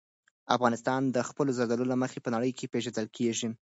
افغانستان د خپلو زردالو له مخې په نړۍ کې پېژندل کېږي.